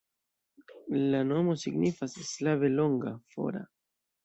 La nomo signifas slave longa, fora.